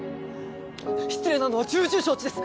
失礼なのは重々承知です。